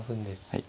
はい。